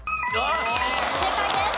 正解です。